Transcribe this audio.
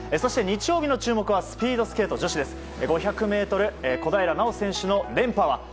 日曜日の注目はスピードスケート女子５００ｍの小平奈緒選手の連覇は。